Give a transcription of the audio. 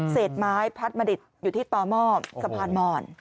เศษไม้พัดมาดิตอยู่ที่ต่อหม้อสะพานหมอน